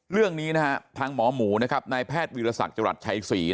เรื่องนี้ทางหมอหมูนายแพทย์วิทยาศักดิ์จรัสชัย๔